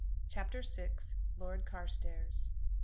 CHAPTER VI. LORD CARSTAIRS.